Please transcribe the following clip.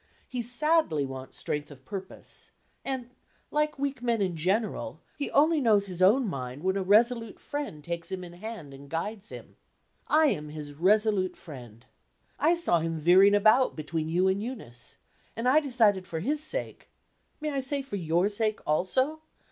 He sadly wants strength of purpose; and, like weak men in general, he only knows his own mind when a resolute friend takes him in hand and guides him. I am his resolute friend. I saw him veering about between you and Eunice; and I decided for his sake may I say for your sake also?